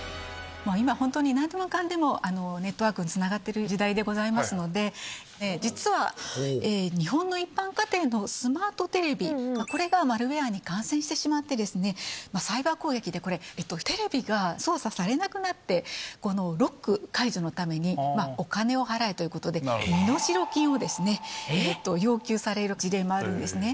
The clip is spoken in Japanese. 今、本当になんでもかんでも、ネットワークにつながってる時代でございますので、実は、日本の一般家庭のスマートテレビ、これがマルウェアに感染してしまってですね、サイバー攻撃でこれ、テレビが操作されなくなって、ロック解除のために、お金を払えということで、身代金をですね、要求される事例もあるんですね。